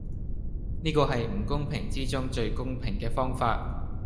呢個係唔公平之中最公平既方法